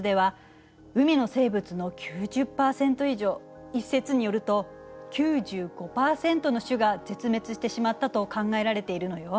そして一説によると９５％の種が絶滅してしまったと考えられているのよ。